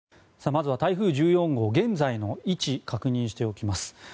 まずは台風１４号現在の位置、確認しておきます。